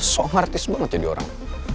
song artist banget jadi orang